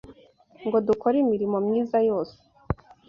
ngo dukore imirimo myiza yose